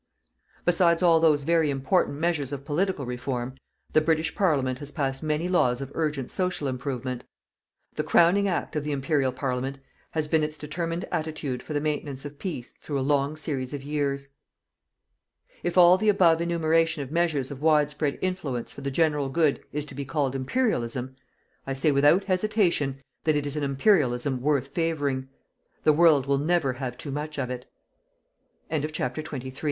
Besides all those very important measures of political reform, the British Parliament has passed many laws of urgent social improvement. The crowning act of the Imperial Parliament has been its determined attitude for the maintenance of peace through a long series of years. If all the above enumeration of measures of widespread influence for the general good is to be called Imperialism, I say without hesitation that it is an Imperialism worth favouring. The world will never have too much of it. CHAPTER XXIV. IMPERIAL FEDERATION AND "BOURASSISM".